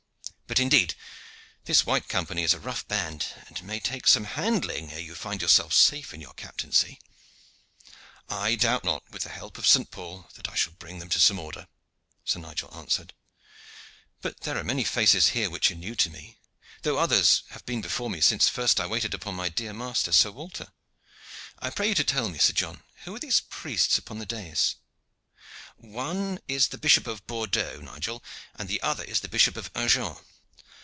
But indeed this White Company is a rough band, and may take some handling ere you find yourself safe in your captaincy." "I doubt not, with the help of St. Paul, that I shall bring them to some order," Sir Nigel answered. "But there are many faces here which are new to me, though others have been before me since first I waited upon my dear master, Sir Walter. I pray you to tell me, Sir John, who are these priests upon the dais?" "The one is the Archbishop of Bordeaux, Nigel, and the other the Bishop of Agen."